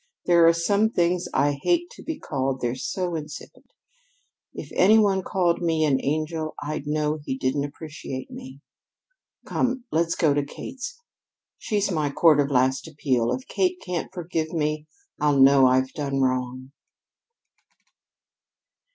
There are some things I hate to be called they're so insipid. If any one called me an angel I'd know he didn't appreciate me. Come, let's go to Kate's. She's my court of last appeal. If Kate can't forgive me, I'll know I've done wrong."